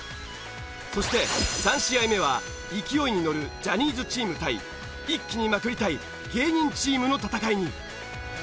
そして３試合目は勢いにのるジャニーズチーム対一気にまくりたい芸人チームの戦いに。